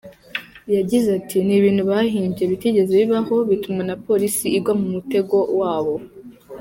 Yagize ati “Ni ibintu bahimbye bitigeze bibaho, bituma na Polisi igwa mu mutego wabo.